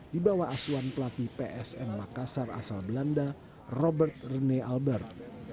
di bawah asuhan pelatih psm makassar asal belanda robert rene albert